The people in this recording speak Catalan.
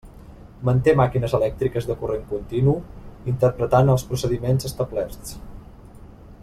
Manté màquines elèctriques de corrent continu, interpretant els procediments establerts.